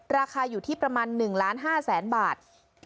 ราคาอยู่ที่ประมาณ๑๕๐๐๐๐๐บาท